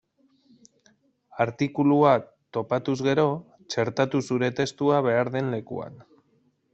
Artikulua topatuz gero, txertatu zure testua behar den lekuan.